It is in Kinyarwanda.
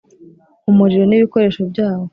umuriro n ibikoresho byawo